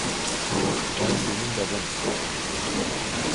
Ben senin babanım.